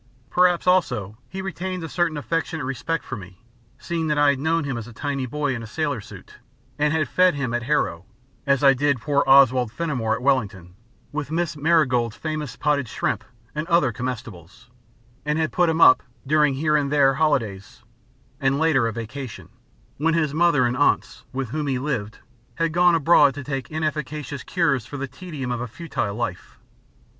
Perhaps also he retained a certain affectionate respect for me, seeing that I had known him as a tiny boy in a sailor suit, and had fed him at Harrow (as I did poor Oswald Fenimore at Wellington) with Mrs. Marigold's famous potted shrimp and other comestibles, and had put him up, during here and there holidays and later a vacation, when his mother and aunts, with whom he lived, had gone abroad to take inefficacious cures for the tedium of a futile life.